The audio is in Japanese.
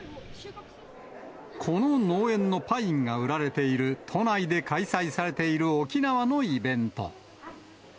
この農園のパインが売られている都内で開催されている沖縄のイベント。